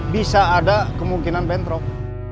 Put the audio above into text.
bisa ada kemungkinan bentrok